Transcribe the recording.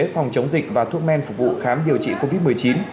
phòng chống dịch và thuốc men phục vụ khám điều trị covid một mươi chín